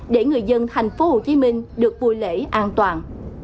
để người dân tp hcm được vui lễ an toàn